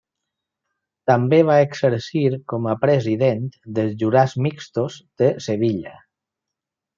També va exercir com a president dels Jurats Mixtos de Sevilla.